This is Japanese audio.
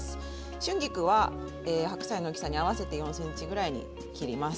春菊は白菜の大きさに合わせて４ｃｍぐらいに切ります。